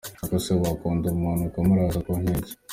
Ariko se wakunda umuntu ukamuraza ku nkeke?.